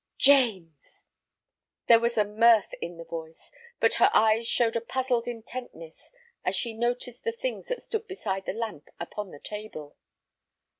"James—" There was mirth in the voice, but her eyes showed a puzzled intentness as she noticed the things that stood beside the lamp upon the table.